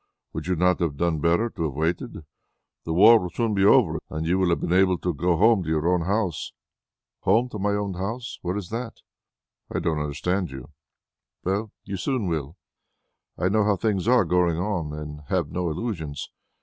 Would you not have done better to have waited? The war will soon be over, and you would have been able to go home to your own house." "Home to my own house? Where is that?" "I don't understand you." "Well, you soon will. I know how things are going on and have no illusions.